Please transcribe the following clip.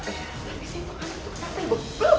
belum bangun kok